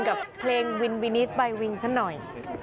กับเพลงวินวินิตใบวิงซะหน่อย